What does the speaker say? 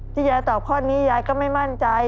ยายตอบข้อนี้ยายก็ไม่มั่นใจ